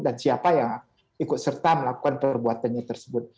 dan siapa yang ikut serta melakukan perbuatannya tersebut